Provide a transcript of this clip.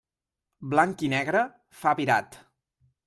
Blanc i negre, fa virat.